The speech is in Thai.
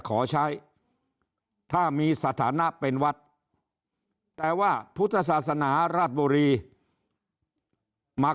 ขอใช้ถ้ามีสถานะเป็นวัดแต่ว่าพุทธศาสนาราชบุรีมา